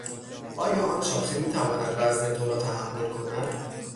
آیا آن شاخه میتواند وزن تو را تحمل کند؟